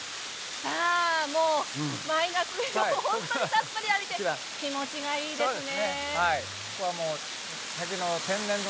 マイナスイオンをたっぷり浴びて気持ちがいいですね。